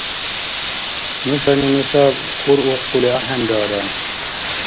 Нушани нушаб кур укъули ахӀенрара?